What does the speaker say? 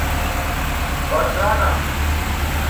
پردانہ